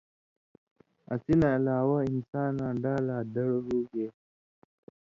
اسی نہ علاوہ انساناں ڈا لا دڑ ہوگے